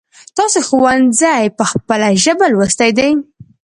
تاسو ښونځی په خپل ژبه لوستی دی ؟